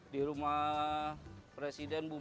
di rumah presiden bu megi